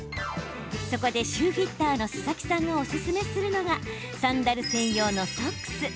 そこでシューフィッターの佐々木さんがおすすめするのがサンダル専用のソックス。